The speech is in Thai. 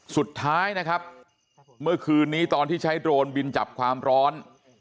สุดท้ายนะครับเมื่อคืนนี้ตอนที่ใช้โดรนบินจับความร้อน